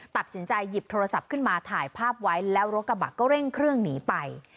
ตัดสินใจหยิบโทรศัพท์ขึ้นมาถ่ายภาพไว้แล้วรถกระบะก็เร่งเครื่องหนีไป